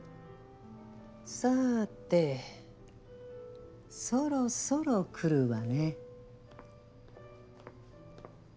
さてそろそろ来るわね。